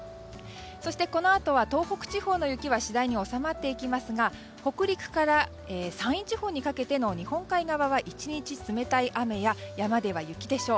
そしてこのあとは東北地方の雪は次第に収まっていきますが北陸から山陰地方にかけての日本海側は１日、冷たい雨や山では雪でしょう。